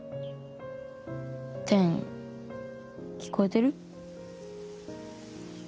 てん聞こえてる？